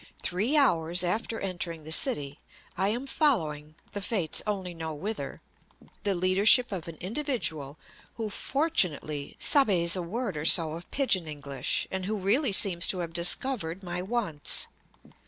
Three hours after entering the city I am following the Fates only know whither the leadership of an individual who fortunately "sabes" a word or so of pidgin English, and who really seems to have discovered my wants.